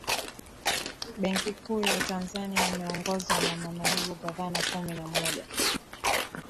benki kuu ya tanzania imeongozwa na manaibu gavana kumi na moja